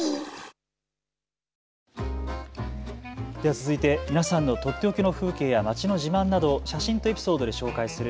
続いて皆さんのとっておきの風景や街の自慢などを写真とエピソードで紹介する＃